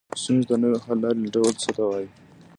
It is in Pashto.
ستونزو ته نوې حل لارې لټول څه ته وایي؟